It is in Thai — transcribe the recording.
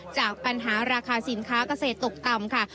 จากปัญหาราคาสินค้าเกษตรตกต่ำค่ะ